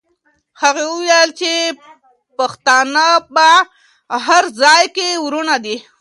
هغې وویل چې پښتانه په هر ځای کې وروڼه دي.